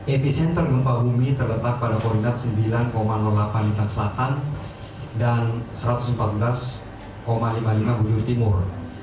efisien tergempa bumi terletak pada polinat sembilan delapan lintas selatan dan satu ratus empat belas lima puluh lima bujur timur